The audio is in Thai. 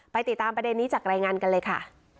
ติดตามประเด็นนี้จากรายงานกันเลยค่ะ